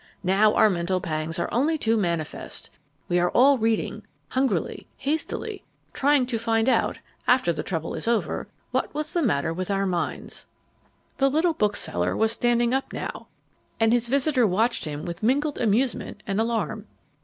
Now our mental pangs are only too manifest. We are all reading, hungrily, hastily, trying to find out after the trouble is over what was the matter with our minds." The little bookseller was standing up now, and his visitor watched him with mingled amusement and alarm.